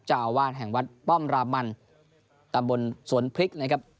เจ้าอาวาสแห่งวัดป้อมรามันตำบลสวนพริกนะครับ